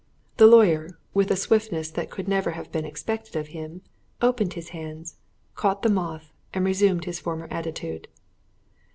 The lawyer, with a swiftness that could never have been expected of him, opened his hands, caught the moth, and resumed his former attitude.